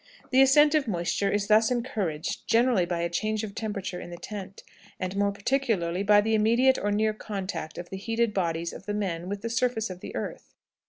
The ascent of moisture is thus encouraged, generally by a change of temperature in the tent, and more particularly by the immediate or near contact of the heated bodies of the men with the surface of the earth.